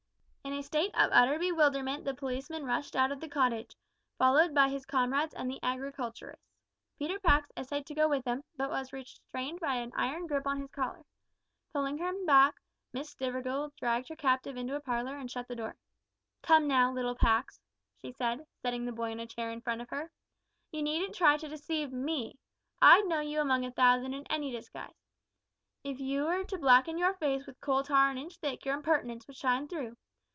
In a state of utter bewilderment the policeman rushed out of the cottage, followed by his comrades and the agriculturists. Peter Pax essayed to go with them, but was restrained by an iron grip on his collar. Pulling him back, Miss Stivergill dragged her captive into a parlour and shut the door. "Come now, little Pax," she said, setting the boy in a chair in front of her, "you needn't try to deceive me. I'd know you among a thousand in any disguise. If you were to blacken your face with coal tar an inch thick your impertinence would shine through.